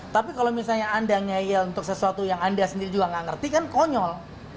tapi kalau misalnya anda ngeyel untuk sesuatu yang anda sendiri juga nggak ngerti kan konyol